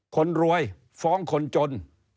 คนรวยฟ้องคนจน